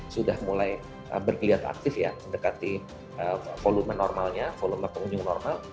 sudah mulai berkelihat aktif ya mendekati volume normalnya volume pengunjung normal